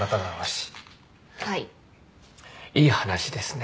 いい話ですね。